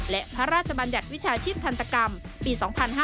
และพระราชบัญญัติวิชาชีพทันตกรรมปี๒๕๕๙